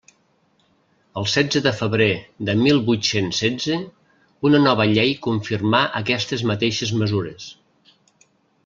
El setze de febrer de mil vuit-cents setze, una nova llei confirmà aquestes mateixes mesures.